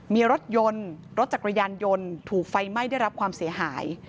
มีรถยนต์รถจักรยานยนต์ถูกไฟไหม้ได้รับความเสียหาย